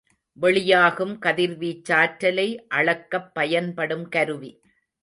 வெளியாகும் கதிர்வீச்சாற்றலை அளக்கப் பயன்படும் கருவி.